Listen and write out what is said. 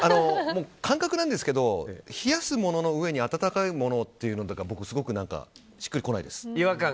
感覚なんですけど冷やすものの上に温かいものってすごくしっくりこないんです。